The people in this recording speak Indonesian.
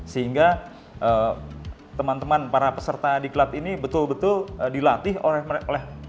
sehingga teman teman para peserta diklat ini betul betul dilatih oleh